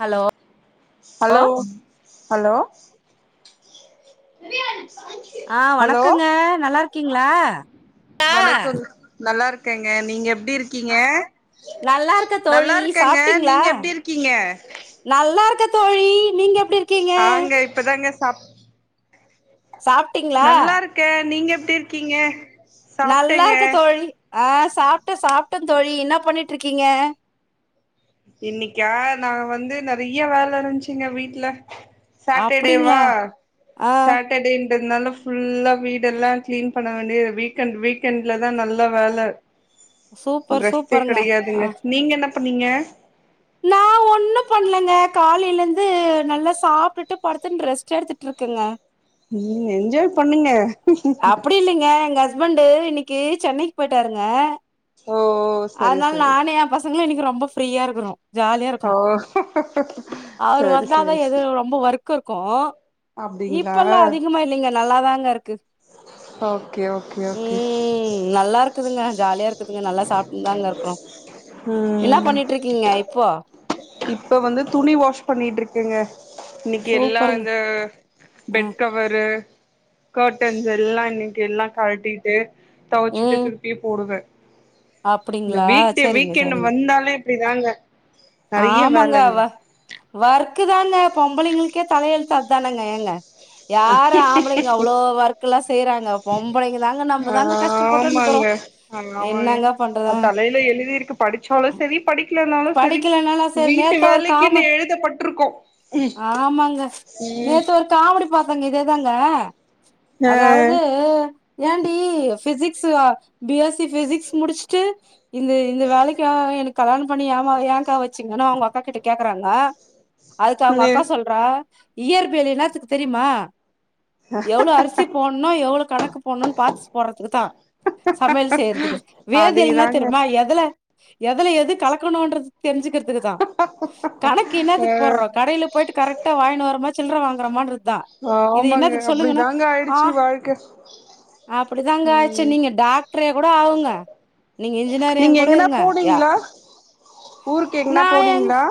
Hello லோ hello hello ஆ hello வணக்கங்க நல்லா இருக்கீங்களா கா இருக்கங்க நீங்க எப்டி இருக்கீங்க நல்லா இருக்க தோழி சாப்டிங்களா ங்க நல்லா இருக்க தோழி நீங்க எப்டி இருக்கீங்க நாங்க இப்பதாங்கஸ் சாப் சாப்டீங்களா நல்லா இருக்கே நீங்க எப்டி இருக்கீங்க நல்லா சாப்ட்டேங்க இருக்க தோழி ஆஸ் சாப்ட சாப்டந் தோழி என்ன பண்ணிட்டு இருக்கீங்க இன்னிக்கா நா வந்து நறைய வேல இருஞ்சுங்க வீட்ல சாட்டடேவா அப்டிங்களா ஆ சாட்டடே எப்டி இருந்தாலு ஃபுல்லா வீடெல்லா கிளீன் பண்ண வேண்டியது வீக்கண்ட் வீக்கெண்ட்லதா நல்லா வேல சூப்பர் ரெஸ்ட்டே சூப்பருங்க கெடையாதுங்க ஆ நீங்க என்னப் பண்ணீங்க நா ஒண்ணு பண்லங்க காலையில இருந்து நல்லா சாப்டுட்டு படுத்துன் ரெஸ்ட் எடுத்துட்டு இருக்கங்க ம் என்ஜாய் பண்ணுங்க அப்டி இல்லிங்க எங்க ஹஸ் ஹஸ்பண்டு இன்னிக்கு சென்னைக்கு போயிட்டாருங்க ஓ சரி அதனால சரி நானு ஏன் பசங்களு இன்னக்கி ரொ ம்ப ஃப்ரீயா இருக்குறோ ஜாலியா இருக்கோ ஓ அவரு சரி வந்தாதா சரி எது ரொம்ப ஒர் க்கு இருக்கு அப்டிங்களா இப்பல்லா அதிகமா இல்லைங்க நல்லாதாங்க இரு க் ஓகே ஓகே ஓகே ம் நல்லா இருக்குதுங்க ஜாலியா இருக்குதுங்க நல்லா சாப் தாங்க இருக்குறோ என்னா ம் பண்ணிட்ருக்கீங்க இப்போ இப்ப வந்து துணி வாஷ் பண்ணிட்ருக்கேங்க இன்னக்கி எல்லா சூப்பருங்க இந்த ஆ பெட் கவரு கர்ட்டன்ஸ் எல்லா இன்னக்கி எல்லா கழட்டிட்டு தொவச்சிட்டு ம் திருப்பியு போடுவே இந்த அப்டிங்களா வீக்டே சரிங்க வீக்கெண்டு சரிங்க வந்தாலே இப்டிதாங்க நெறைய ஆமாங்க வேலைங்க வொ வொர் க்குதாங்க பொம்பளைகளுக்கே தலையெழுத்து அதானுங்க ஏங்க யாரு ஆம்பளைங்க அவ்ளோ ஒர்க் எல்லா செய்யறாங்க பொம்பளைகதாங்க நம்பதாங்க கஷ்டப்பட்டுனுக்குறோ ஆமாங்க ஆமாங்க என்னங்க பண்றது அது தலைல எழுதி இருக்கு படிச்சாலு சரி படிக்கல னாலு சரி படிக்கலனால சரி வீட்டு நேத்து ஒரு வேலைக்குன்னு காம எழுதப்பட் டுருக்கோ ஆமாங்க நேத்து ஒரு காமெடி பாத்தங்க இதேதாங்க ஆ அதாவது ஏன்டீ physics B S C physics முடிச்சுட்டு இந்து இந்த வேலைக்காக எனக்கு கல்யாணம் பண்ணி ஏம்மா ஏன்க்கா வச்சீங்கன்னா அவங்க அக் கா கிட்ட கேக்கறாங்க த்து அவங்க னு அக்கா சொல்றா இயற்பியலு என்னாத்துக்கு தெரியுமா எவ்ளோ அரிசி போட்ணு எவ்ளோ கணக்கு போட்ணுன்னு பாத்து போடறதுக்குத்தா சமையல் செய்யறதுக்கு வேதியல்னா அதேதாங்க தெரியுமா எதல எதுல எது கலக்கணுன்றது தெரிஞ்சிக்கறதுக்குதா கணக்கு ஆ என்னாதுக்கு போறோ யில போயிட்டு கரெக்டா வாகிங்னு வரோ மா சில்ற வாங்கறமா இரு தா இது ஆமாங்க இன்னாத்துக்கு சொல்லுங்க அப்டிதாங்க அ ஆயிடுச்சு வாழ்க்க அப்பிடிதாங்க அச்சு நீங்க டாக்டர் கூட ஆவுங்க நீங்க நீங்க இன்ஜினியரிங் கூட எங்கனா இருங்க அ போனீங்ளா ஊருக்கு ந எங்கனா எங் போனீங்ளா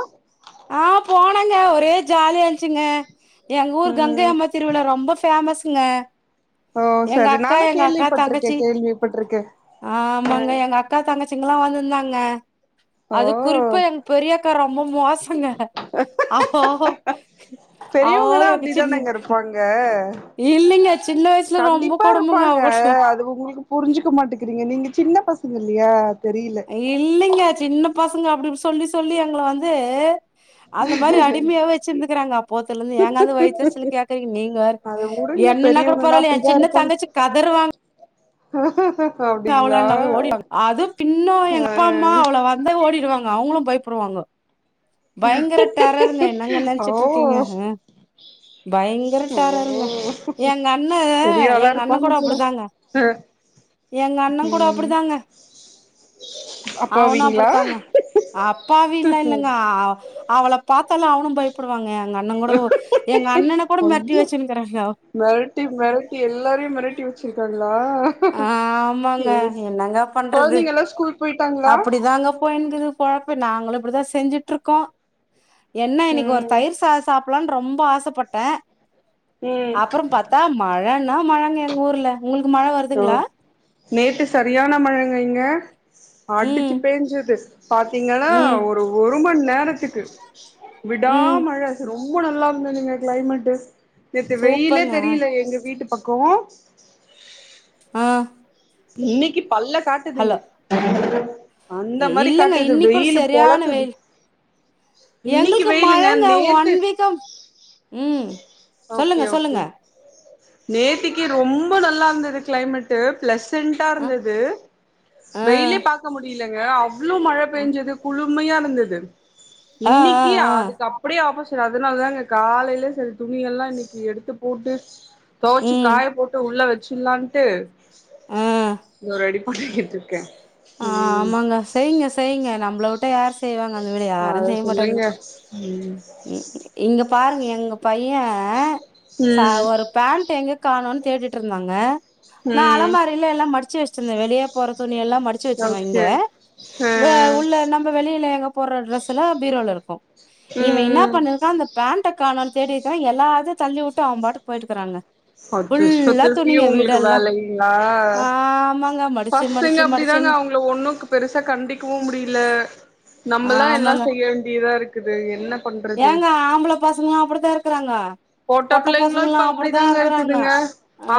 ஆ போ ம்மாங்க ஒரே ஜாலிய இஞ்ச்சிங்க எங்க ஊர் கங்கை ம் அம்மா திருவிழா ரொம்ப பேமஸ் ங்க ஓ எங்க சரி அக்கா நானு எங்க அக்கா கேள்விப்பட்ருக்கே தங்கச்சி கேள்விப்பட்ருக்கே ஆமாங்க எங்க அக்கா தங்க சிங்கால வந்திருந்தாங்க ஓ அது குறிப்ப எங் பெரியாக்கா ரொம்ப மோசங்க ஆஹோ ஆஹ பெரியவங்கன்னா அப்பிடிதானங்க இருப்பாங்க இல்லைங்க சின்ன வயசுல ரொம்ப கண்டிப்பா கொடும்புங்க இருப்பாங்க அவசில அது உங்களுக்கு புரிஞ்சுக்க மாட்டேக்கிறீங்க நீங்க சின்ன பசங்க இல்லையா தெரியல இல்லைங்கா சின்ன பசங்க அப்பிடிப் சொல்லி சொல்லி எங்கள வந்து அந்த மாரி அடிமையாவ வச்சிருந் க்கறாங்க போத்துல இந்து ஏங்காந்து வயத்தெரிசல கேக்குறிங்க நீங்க வேற அத வுடுங்க என்னன்ன பெரியவங்கன்னா கூடபரால்ல என் சின்ன தங்கச்சி கதறுவாங் ஆஹ அவளல்லாவே ஓடிடுவாங்க அதுவு பின்னு எங்க அப்பா அம்மா அவள வந்து ஓடிடுவாங் அவங்களு பயப்படுவாங்க பயங்கர டரருங்க என்னங்க ஆ நெனச்சிட்டு இருக்கீங்க ஓ பயங்கர டரருங்க ஓ எங்க அண்ண பெரிய ஆளா எங்க அண்ண இருப்பாங்க கூட போல அப்படிதாங்க ஆ எங்க அண்ண கூட ம் அப்படிதாங்க அவனு அப்பாவிங்களா அப்படித்தாங்க அப்பாவீல்லா இல்லங் ஆ அவள பாத்தால அவனு பயப்புடுவாங்க ஐயோ வச்சுனுக்கிறாங்க மெரட்டி மெரட்டி எல்லாரையு மெரட்டி வச்சிருக்காங்களா ஆமாங்க கொழந்தைங்கல்லா ஸ்கூல் போயி அப்பிடிதாங்கப் போய்ன்ங்கிது பொழப்பு நாங்களு இப்படிதா செஞ்சுட்டு இருக்கோ என்ன இன்னிக்கு ஒரு ம் தயிர் சா சாப் ப்லான் ரொம்ப ஆசப்பட்டே ம் அப்பறோம் பாத்தா மழன்னா மழங்க எங்க ஊர்ல உங்களுக்கு மழ ஹலோ வருதுங்களா நேத்து சரியான மழங்க இங்க ம் அடுச்சு பேஞ்சுது பாத்தீங்கன்னா ம் ஒரு ஒரு மண் நேரத்துக்கு விடா ம் மழ ரோ ரொம்ப நல்லா இருந்ததுங்க கிளைமேட்டு நேத்து வெயிலே சூப்பருங்க தெரியில எங்க வீட்டு பக் கோ ஆ இன்னிக்குப் பல்ல ஹலோ காட்டுதுங்க அந்த மாரி இல்லங்க காட்டுது இன்னிக்கூட வெயிலு செரியான பொழக்குது வெயிலு இன்னைக்கு எங்களுக்கு வெயிலுங்க மழங்க ஒன் நேத்து வீக்கா ம் ஓகே சொல்லுங்க ஓகே சொல்லுங்க நேத்திக்கு ரொம்ப நல்லா இருந்துது கிளைமேட்டு பிளஸ் பிளசன்டா அ இருந்தது ஆ வெயிலே பாக்க முடியலங்க அவ்ளோ மழ ஆ பேஞ்சுது குளு உண்மையா இருந்தது ஆ இன்னிக்கி ஆ அதுக்கு அப்டியே ஆப்போசிட் செரி அதனாலதாங்க காலையிலே செரி துணி எல்லா இன்னிக்கி எடுத்து போட்டு தொவச்சு ம் காய போட்டு உள்ள வெச் ச்சுல்லான்ட்டு ஆ இன்னு ரெடிப் பண்ணிகிட்ருக்க ஆ ஆமாங்க செய்ங்க செய்ங்க நம்மள உட்டா யார் செய்வாங்க அந்த வேலய யாரு அத செய்ய மாட்டாங்க சொல்லுங்க ம் ம் இங்க பாருங்க எங்க பைய ச ம் ஒரு பேண்ட்டு எங்க காணோன் தேடிட்டு இருந்தாங்க நா ம் அலமாரில எல்லா மடுச்சு வெச்சுருந்த வெளிய போற துணி எல்லாம் மடுச் ச்சு வெச்சேருவ இங்க ஓகே ஆ ம் உள்ள நம்ப வெளியில எங்க போற டிரெஸ்லா பீரோல இருக்கு இவ என்ன ம் பண்ணிருக்கா அந்த பேண்ட காணோன் தேடிருக்கா எல்லாத்தையு தள்ளி உட்டு அவம் பாட்டுக்கு போயிட்டுக்குறாங்க அச்சச்சோ திருப்பியு உங்களுக்கு வேலைங்ளா ஆமாங்க மடிச்சு பசங்க மடிச்சு அப்டிதாங்க மடிச்சுன்னு அவங் ளு ஒண்ணுக்கு பெருசா கண்டிக்கவு முடியல நம்மலா எல்லா ஆமாங்க செய்ய வேண்டிதா இருக்குது என்ன பண்றது ஏங்க ஆம்பள பசங்க அப்டித்தா இருக்கறாங்க பொட்ட பிள்ளைங்களு பசங்களு இப்ப அப்படித்தா அப்டிதாங்க இருக்கறாங்க இருக்குதுங்க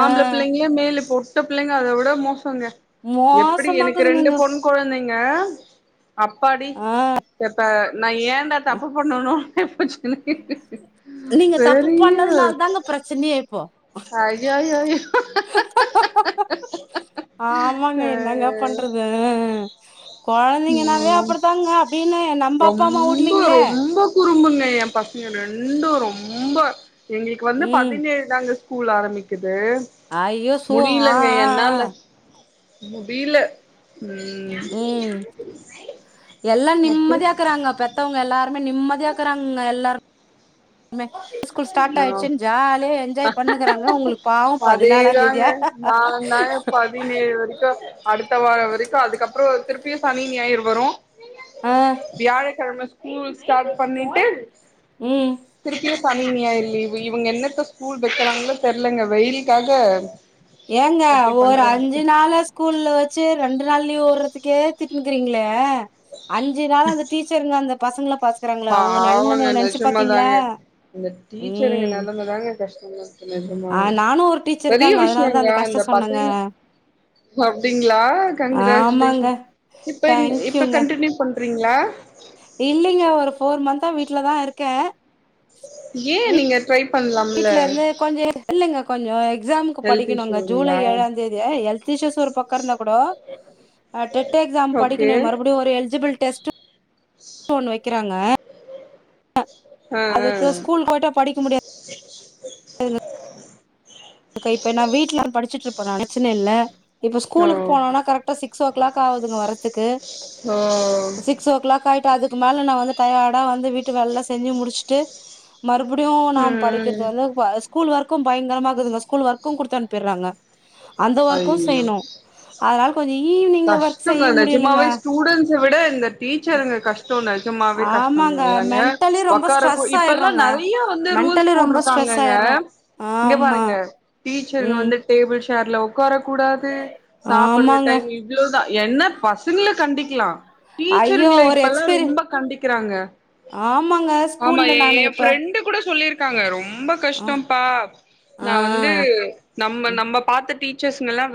ஆ பிள்ளைங்களே மேலு இப்போ ட்ட பிள்ளைங்க அத விட மோ எப்டி எனக்கு மோசமாக்குதுங்க ரெண்டு இந்த பொண் கொழந்தைங் ங்க அப்பாடி ஆ எப்ப நா ஏன்டா தப்பு பண்ணுனு [inaudible] நீங்க தப்பு பண்ணதுனால தாங்க ப்ரச்சனயே இப்போ ஐயயோ ஆமாங்க என்னங்க அ பண்றது ஆ கொழந்தைங்கனாவே அப்டிதாங்க அப்டின்னு நம்ப அப்பா அம்மா உட்லீங்ளே அ எ பசங்க ரெண்டூ ரொம் ம்ப எங்களுக்கு வந்து ம் பதினேழுதாங்க ஸ்கூல் ஆரம்பிக்குது ஐயோ சோ அ அ அ அ முடீல ம் எல்லா அப்றோ நிம்மதியாக்கறாங்க பெத்தவங்க எல்லா ர்மே நிம்மதியோக்கறாங்க எல்லார் மே ஸ்கூல் ஸ்டார்ட் ஆ ஆயிச்சுன் ஜாலியா என்ஜாய் பண்ணுகறாங்க உங்களுக்கு பாவ பதினாலா அதேதாங்க தேதியா நாந்தாங்க பதினேழு வரைக்கு அடுத்த வார வரைக்கு அதுக்கப்ற திருப்பியு சனி ஞாயிறு வரு ஆ வியாழக்கிழம ஸ்கூல் ஸ்டார்ட் பண்ணிட்டு ம் திருப்பியு சனி ஞாயிரு லீவு இவங்க என்னத்த ஸ்கூல் வைக்கிறாங்களோ தெர்லங்க வெயில்க்காக ஏங்க ஒரு அஞ்சு நாளா ஸ்கூல்ல வச்சு ரெண்டு நாள் லீவுர்றதுக்கு கேத்துட்டுனுக்கிறீங்களே அஞ்சு நாள அந்த டீச்சருங்க அந்த பசங்கள பாத்துக்கறாங்களே அவங்க பாவங்க நெலமைய நெனச்சு பாத்தீங்களா நிஜமாதாங்க இந்த டீச்சருங்க ம் நிலமதாங்க கஷ்டமா இருக்கு ஆ நிஜமாவே நானு ஒரு டீச்சர் பெரிய தாங்க விஷய அதனாலதா கஷ்ட அந்த சொன்னேங்க பசங்க அப்டிங்களா ஆமாங்க கங்கிராச்சுலேஷன் இப்ப இப்ப கண்டிநியூ பண்ற ப்ரீங்ளா இல்லிங்க ஒரு ஃபோர் மந்த்தா வீட்டு்லதா இருக்கே ஏ நீங்க ட்ரை பண்லாம்ல வீட்ல இருந்து கொஞ்ச இல்லீங்க கொஞ்சம் எக்ஸாமுக்கு ஹெல்த் படிக்கணுங்க ஜூலை இஷ்யூங்களா ஏழா தேதிய ஹெல்த் இஷ்யூஸ் ஒரு பக்கம் இருந்தா கூட அ டெட் எக்ஸாம் ஓகே படிக்கணும் மறுபடியும் ஒரு எலிஜிபில் டெஸ்ட்ரு ன்னு ஒண்ணு வைக்கிறாங் ங்கே ஆ ஆ அதுக்கு ஸ்கூல் போய்ட்ட படிக்க முடியா [inaudible] க்கு இப்ப நனைச்சினே இல்ல இப்ப ஓ ஸ்கூலுக்கு போனோனா கரட்டா சிக்ஸ் ஓ க்ளாக் ஆவுதுங்க வரத்துக்கு ஓ சிக்ஸ் ஓ க்ளாக் ஆயிட்டு அதுக் துக்கு மேல நா வந்து டயாடா வந்து வீட்டு வேல்லா செஞ்சு முடிஷ்ட்டு மறுபடியும் ம் நாம் படிக்கறது ம் வந்து வ ஸ் ஸ்கூல் வர்க்கும் பயங்கரமாக்குதுங்க ஸ் ஸ்கூல் வர்க்கும் குடுத்து அனுப்பிறாங்க அந்த ஓர்க்கும் செய்ணும் ஆதலால் கஷ்டோங்க நெஜமாவே ஸ்டூடண்ஸா விட இந்த டீச்சருங்க கஷ்டோங்க நஜமாவே ஆமாங்க கஷ்டம்லாங்கே மென்டலி ரொம்ப ஓக்கார கூ ஸ்ட்ரெஸ் இப்பல்லா ஆயிடுறோங்க நறைய வந்து ரூல்ஸ் மென்டலி ரொம்ப ஸ்ட்ரெஸ் போட்ருக்காங்கேங்க ஆயிடுறோ இங்க ஆமா பாருங்க டீச்சருங் ம் வந்து டேபிள் தெர்ல உக்காராப் கூடாது சாப்பற ஆமாங்க டைம் இ த என்ன பசங்கல கண்டிக்கலா ஐயோ டீச்சருங்கள ஒரு இப்பல்லா எக்ஸ்பீரி ரொம்ப கண்டிக்கறாங்க ஆமாங்க ஆமா ஸ்கூல்ல எ நானு என் இப்ப ஃப்ரெண்டு கூட சொல்லிருக் க்காங்க ரொம் ம்ப ஆ கஷ்டம்ப்பா நா ஆ வந்து நம்ம ம், நம்ப பாத்த டீ ச்சஸ்ங்கலாம்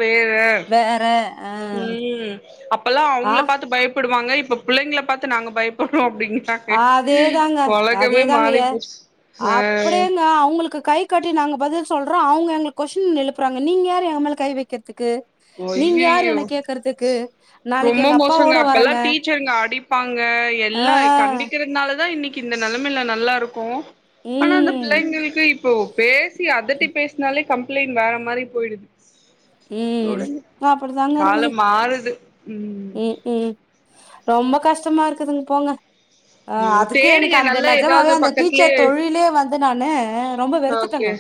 வேற அ ம் அப்பல்லா அவுங்கள பாத்து பயப் படுவாங்க இப்ப பிள்ளைங்கள பாத்து நாங்க பயப்பறோம் அதே தாங்க அதே தாங்க மாறி ஏ போச்சு ஆ அப்படியேங்க அவங்களுக் கை காட்டி நாங்க பதில் சொல்றம் அவுங்க எங்களுக் கொஸ்டின் எழுப்புறாங்க நீங்க யாரு எங்க மேல கை வைக்க அய்யய்யோ நாளைக்கு ரொம்ப எங்க மோசங்க அப்பாவோட அப்பல்லா வரேங்க டீச்சருங்க அடிப்பாங்க ஆ எல்லா கண்டிக் கிறதுனால தா இன்னிக்கு இந்த நிலமையல நல்லா இருக்கும். ஆனா அந்த ம் பிள்ளைங்களுக்கு இப் போ பேஸ் சி அதட்டி பேஸ்னாலே கம் பிள்ளைன் வேற மாரி போயிடுது உ அப்டித்தாங்க இருக்குது காலம் மாறுது ம் உ உ ரொம்ப கஷ் டமா இருக்குதுங்க போங்க ஆ ம் அதுக்கே எனக்கு தேடுங்க அந்த நல்ல நெஜமாவே ஏதாவது அந்த பக்கத்துலயே டீச்சர் தொழிலே வந்து நானு ரொம்ப ஓகே வெறுத்துட்டேங்க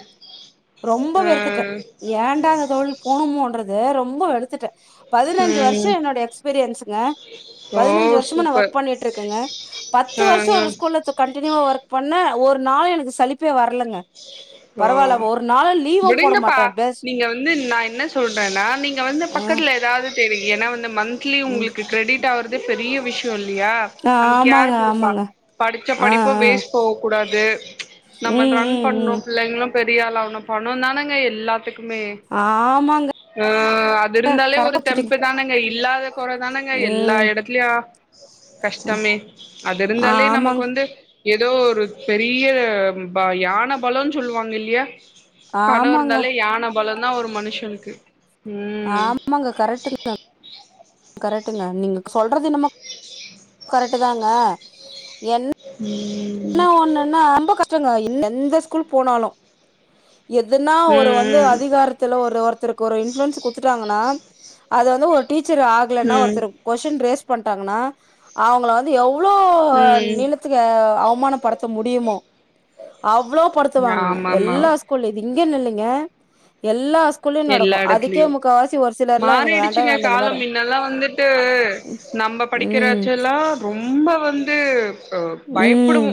ரொம்ப ஆ வெறுத்துட்டே ஏண்டா அந்த தொழில போணுமோன்றது ரொம்ப ரொம்ப வெருத்துட்டே பதினஞ்சு வர்ஷோ ம் என்னோட எக்ஸ்பீரியன்ஸுங்க ஓ பதினஞ்சு வருஷமா சூப்பர் ஒர்க் பண்ணிட்டு இருங்கங்க பத்து ஆ வருஷோ ஆ ஒரு ஸ்கூல்ல கன்டினியுவா ஒர்க் பண் ன்ன ஒரு நாளு எனக்கு சளிப்பே வர் லங்க ஓ பரவாயில்ல ஒரு நாளு லீவு போட விடுங்கப்பா மாட்டே பேஸ் நீங்க வந்து நா என்ன சொல்றேனா நீங்க வந்து பக்கத்துல ஏதாவ்து தெரி ஏனா வந் து மந்த்லி ம். உங்களுக்கு கிரெடிட் ஆகுரதே பெரிய விஷயோ இல்லயா நமக்கு யாரு ஆமாங்க, குடுப்பா ஆமாங்க. படிச்ச ஆ, படிப்ப ஆ. வேஸ்ட் போககூடாது நம்ம ம், ம், பண்ணு ம். பிள்ளைங்களு பெரியாளாகனு பணோ தானங்க எல்லாத்துக்கு மே ஆமாங்க. ஆ அது இருந்தாலே கரெக்ட்டா ஒரு புடிச்சுட்டீங்க. தெம்பு தானேங்க இல்லாத குறை தானங்க எல்லா ம். எடத்லயு கஷ்டமே அது இருந்தாலே நமக்கு ஆமாங்க, வந்து ஏதோ ஒரு பெரிய ப யான பலோனு சொல்லுவாங்க இல்லயா பணோ ஆமாங்க. இருந்தாலே யான பலோ தா ஒரு மனுஷனுக்கு ம் ஆமாங்க கரெக்டங்க கர க்டுங்க நீங்க சொல்றதென்னமோ கரெட்டு தாங்க என்ன உ என்ன ஒண்ணுனா ரொம்ப கஷ்டங்க என்ன எந்த ஸ்கூல் போனாலு எதுனா ஒரு வந்து ம் அதிகாரத்துல ஒரு ஒருத்தருக்கு ஒரு இன்ஃப்ளூயன்ஸ் குடுத்துட்டாங்கன்னா அத வந்து ஒரு டீ ச்சர் ஆகலனா ம் ம் ஒருத்தருக்கு கொஸ்டின் ரேஸ் பண்ட்டாங்கனா அவங்கள வந்து எவ் ளோ ம் நிமத்துங்க அவ அவமான படுத்த முடியுமோ அவ்ளோ படுத்து வாங்கங்க ஆமாமா எல்லா ஸ்கூல்லேதி இங்கன்னு இல்லைங்க எல்லா ஸ்கூல்லயு எல்லா நடக்கு அதுக்கே எடத்துலயு முக்காவாசி ஒரு சிலர்லா எனக்கு வேண்டா மாறிடுச்சுங்க வேண்டா இந்த காலம் மாரி மின்னெல்லா வந்துட்டு நம்ம ம் படிக்கிறச்ச எல்லா ரொம்ப வந்து ஆ பயப்படுவோ ம்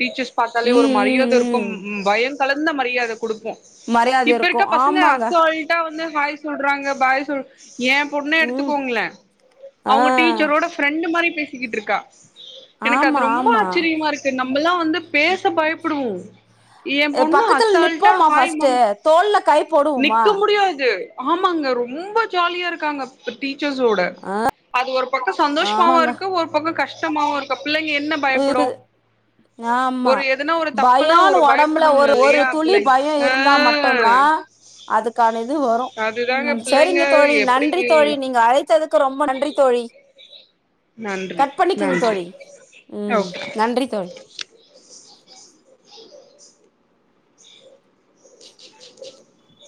டீச்சர்ஸ் ம் பாத்தாலே ஒரு ம் மரியாத இருக்கும் ம் பயம் கலந்த மரியாத குடுப்போ மரியாத இப்ப இருக்கு இருக்க பசங்க ஆமாங்க கொய்ட்டா வந்து ஹாய் சொல்றாங்க பாய் சொல் ஏன் பொண்ணே ம் எடுத்துக்கோங்களே ஆ அவங்க டீச்சரோட ஃப்ரெண்டு் மாரி பேசிக்கிட்ருக்கா எனக்கு அது ஆமா ரொம்ப ஆமா ஆச்சரியமா இருக்கு நம்பல்லா வந்து பேச பயப்படுவோ ஏன் எ பொண்ணு பக்கத்துல அசால்ட்டா நிப்போமா ஹாய் ஃபஸ்ட்டு மம் தோல்ல கை போடுவோமா நிக்க முடியாது இது ஆமாங்க ரொம்ப ஜாலியா இருக்காங்க இப்ப டீ ச்சர்ஸோட அது ஒரு பக்கோ சந்தோஷமாவு ஆமாங்க இருக்கு ஒரு பக்கோ கஷ் டமாவு இருக்கு பிள்ளைங்க என்ன பயப்படு இருக்குது ஆமா ஒரு எதுனா ஒரு தப்புனா பயோன்னு ஒரு ஒடம்புல பயப்படணு ஒரு ஒரு இல்லையா துளி பிள்ளைங் பயோ ஆ இருந்தா மட்டுந்தா அதுக்கான இது வரு அதுதாங்க ம் பிள்ளைங்க சரிங்க தோழி எப்டி நன்றி தோழி நீங்க அழைத்ததுக்கு ரொம்ப நன்றி தோழி நன்றி கட் பண்ணிக்குங்க நன்றி தோழி ம் ஓகே நன்றி தோழி [inaudible]